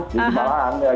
di lima lahan